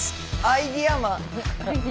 アイデアマン。